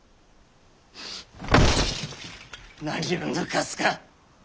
何を抜かすか！